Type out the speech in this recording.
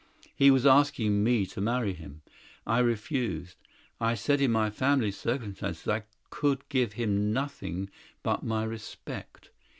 He was asking me to marry him. I refused; I said in my family circumstances I could give him nothing but my respect.